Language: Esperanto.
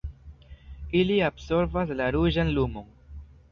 Ili absorbas la ruĝan lumon.